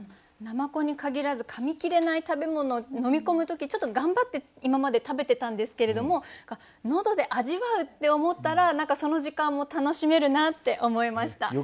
海鼠に限らず噛み切れない食べ物を飲み込む時ちょっと頑張って今まで食べてたんですけれども喉で味わうって思ったら何かその時間も楽しめるなって思いました。